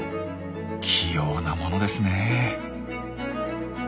器用なものですねえ。